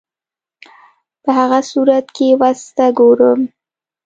په هغه صورت کې وضع ته ګورم.